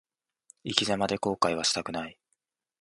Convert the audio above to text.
生き様で後悔はしたくない。